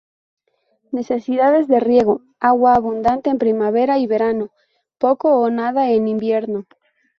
Necesidades de riego: agua abundante en primavera y verano, poco o nada en invierno.